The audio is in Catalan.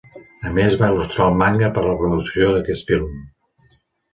A més, va il·lustrar el manga per a la producció d’aquest film.